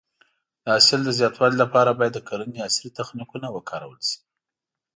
د حاصل د زیاتوالي لپاره باید د کرنې عصري تخنیکونه وکارول شي.